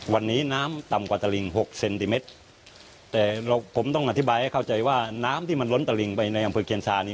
วันนี้น้ำต่ำกว่าตลิงหกเซนติเมตรแต่เราผมต้องอธิบายให้เข้าใจว่าน้ำที่มันล้นตะลิงไปในอำเภอเคียนซานี่